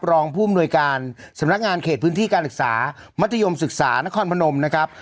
รองผู้อำนวยการสำนักงานเขตพื้นที่การศึกษามัธยมศึกษานครพนมนะครับ